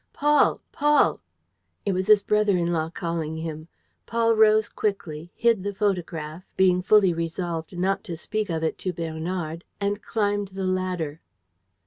"Paul! Paul!" It was his brother in law calling him. Paul rose quickly, hid the photograph, being fully resolved not to speak of it to Bernard, and climbed the ladder.